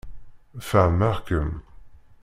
Fehmeɣ-kem.